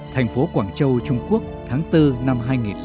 thành phố quảng châu trung quốc tháng bốn năm hai nghìn năm